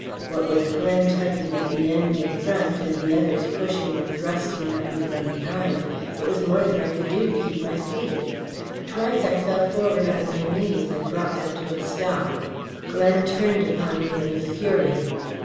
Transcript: What with Glen tugging at the end in front and the others pushing and thrusting at me from behind, it was more than I could do to keep my feet. Twice I fell forward on my knees and brought them to a stop. Glen turned upon me in a fury.